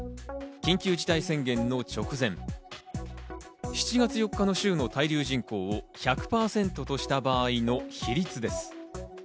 緊急事態宣言の直前、７月４日の週の滞留人口を１００％とした場合の比率です。